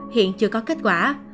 hiện chưa có kết quả